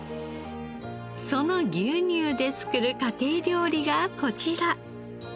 その牛乳で作る家庭料理がこちら。